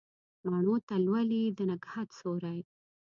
مڼو ته لولي د نګهت سیوري